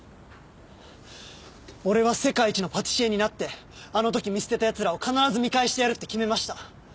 俺は世界一のパティシエになってあの時見捨てた奴らを必ず見返してやるって決めました。